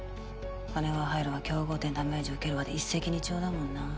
金は入るわ競合店ダメージ受けるわで一石二鳥だもんな。